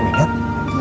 rumahnya yang mana